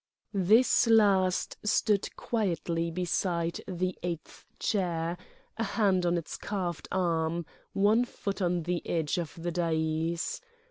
This last stood quietly beside the eighth chair, a hand on its carved arm, one foot on the edge of the dais.